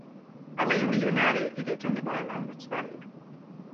Alla är miljonärer i det underbara landet Sverige.